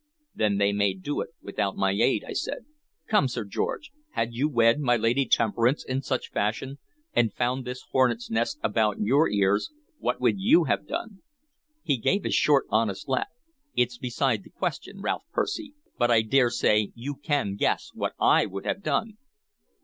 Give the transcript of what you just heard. "Then they may do it without my aid," I said. "Come, Sir George, had you wed my Lady Temperance in such fashion, and found this hornets' nest about your ears, what would you have done?" He gave his short, honest laugh. "It's beside the question, Ralph Percy, but I dare say you can guess what I would have done."